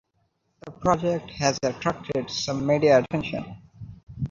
The project has attracted some media attention.